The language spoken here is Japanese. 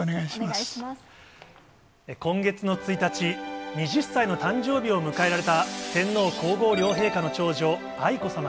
今月の１日、２０歳の誕生日を迎えられた天皇皇后両陛下の長女、愛子さま。